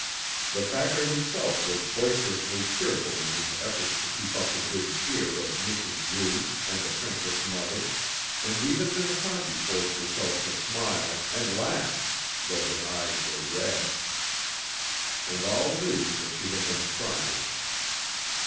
The factor himself was boisterously cheerful in his efforts to keep up the good cheer of Mrs. Drew and the princess mother, and even Minnetaki forced herself to smile and laugh, though her eyes were red, and all knew that she had been crying.